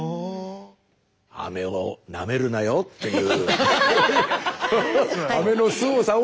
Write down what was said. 「アメをなめるなよ」という。